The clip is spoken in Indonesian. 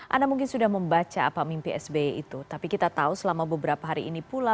anda mungkin sudah membaca apa mimpi sbi itu tapi kita tahu selama beberapa hari ini pula